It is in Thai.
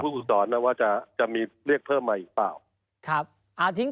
ผู้ฝึกสอนนะว่าจะจะมีเรียกเพิ่มมาอีกเปล่าครับอ่าทิ้ง